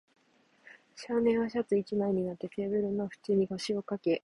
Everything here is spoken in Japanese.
少年はシャツ一枚になって、テーブルの縁に腰をかけ、